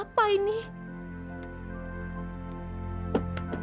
apa ini secara cetak